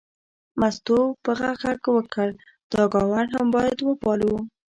مستو په غږ غږ وکړ دا ګاونډ هم باید وپالو.